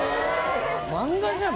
漫画じゃん！